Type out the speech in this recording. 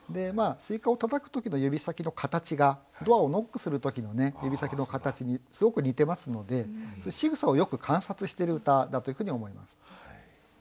西瓜をたたく時の指先の形がドアをノックする時の指先の形にすごく似てますのでしぐさをよく観察している歌だというふうに思います。